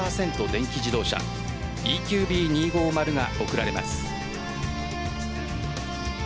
電気自動車ＥＱＢ２５０が贈られます。